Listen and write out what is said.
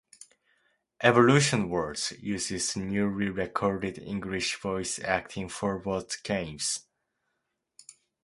"Evolution Worlds" uses newly recorded English voice acting for both games.